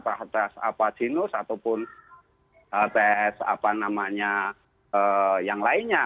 atau tes genus ataupun tes apa namanya yang lainnya